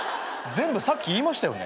全部さっき言いましたよね？